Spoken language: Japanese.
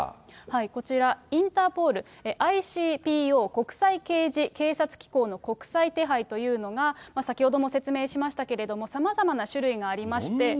こちら、インターポール、ＩＣＰＯ・国際刑事警察機構の国際手配というのが、先ほども説明しましたけれども、さまざまな種類がありまして。